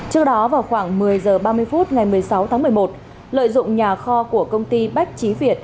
trước đó vào khoảng một mươi h ba mươi phút ngày một mươi sáu tháng một mươi một lợi dụng nhà kho của công ty bách trí việt